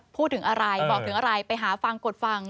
พูดถึงอะไรบอกถึงอะไรไปหาฟังกดฟัง